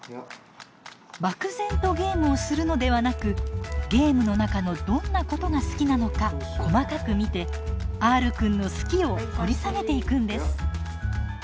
漠然とゲームをするのではなくゲームの中のどんなことが好きなのか細かく見てＲくんの「好き」を掘り下げていくんです。